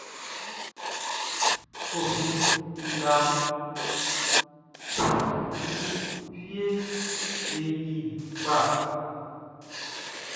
Koffi nga nunʼn, fieʼm be ɲin kpa.